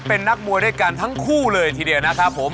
เป็นนักมวยด้วยกันทั้งคู่เลยทีเดียวนะครับผม